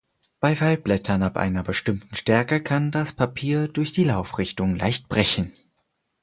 Bei Faltblättern ab einer bestimmten Stärke kann das Papier durch die Laufrichtung leicht brechen.